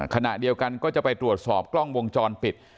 ขณะเดียวกันก็จะไปตรวจสอบกล้องวงจรปิด